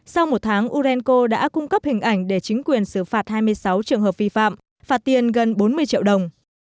sau một tháng urenco đã cung cấp hình ảnh để chính quyền xử phạt hai mươi sáu trường hợp vi phạm phạt tiền gần bốn mươi triệu đồng